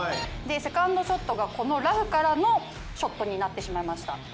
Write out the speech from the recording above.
セカンドショットがこのラフからのショットになってしまいました。